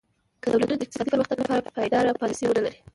که دولتونه د اقتصادي پرمختګ لپاره پایداره پالیسي ونه لري.